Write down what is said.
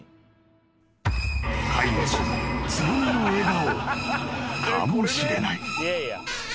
［飼い主の強めの笑顔かもしれない］